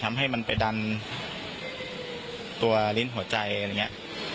ทำให้มันไปดันตัวลิ้นหัวใจอะไรอย่างนี้